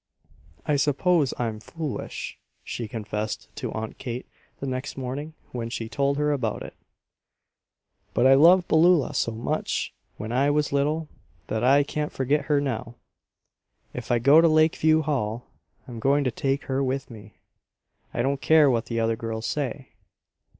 "I suppose I'm foolish," she confessed to Aunt Kate the next morning when she told her about it. "But I loved Beulah so much when I was little that I can't forget her now. If I go to Lakeview Hall I'm going to take her with me. I don't care what the other girls say!"